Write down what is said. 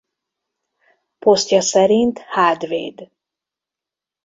Posztja szerint hátvéd.